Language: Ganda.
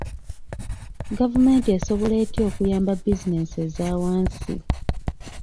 Gavumenti esobola etya okuyamba bizinensi ezawansi?